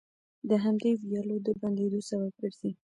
د همدې ويالو د بندېدو سبب ګرځي،